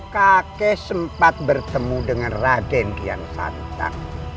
kakek sempat bertemu dengan raden kian santan